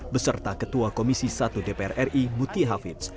beserta ketua komisi satu dpr ri muti hafiz